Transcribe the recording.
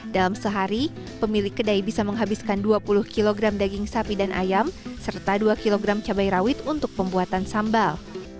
dalam sehari pemilik kedai bisa menghabiskan dua puluh kg daging sapi dan ayam serta dua kg cabai rawit untuk pembuatan sambal